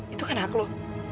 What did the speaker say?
itu kan hak lo